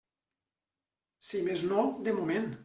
Si més no, de moment.